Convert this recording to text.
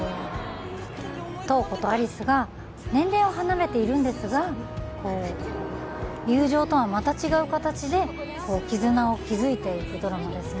瞳子と有栖が年齢は離れているんですが、友情とはまた違う形で絆を築いていくドラマですね。